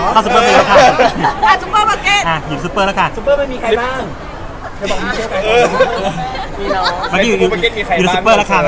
พี่เห็นไอ้เทรดเลิศเราทำไมวะไม่ลืมแล้ว